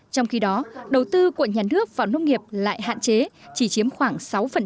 trong khi đó đầu tư của nhà nước vào nông nghiệp lại hạn chế chỉ chiếm khoảng sáu